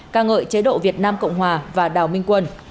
ca ngợi chế độ việt nam cộng hòa và đảo minh quân